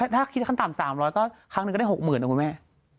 ถ้าคิดขั้นต่ำสามร้อยก็ครั้งหนึ่งก็ได้หกหมื่นนะคุณแม่